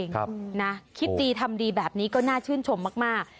ครับนะคิดดีทำดีแบบนี้ก็น่าชื่นชมมาก